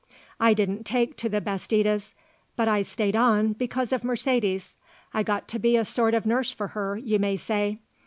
I didn't take to the Bastidas. But I stayed on because of Mercedes. I got to be a sort of nurse for her, you may say.